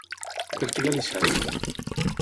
Per què va deixar-ho?